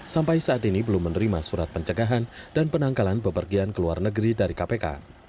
sampai saat ini belum menerima surat pencegahan dan penangkalan pepergian keluar negeri dari kpk